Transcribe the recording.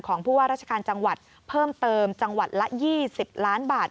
ผู้ว่าราชการจังหวัดเพิ่มเติมจังหวัดละ๒๐ล้านบาท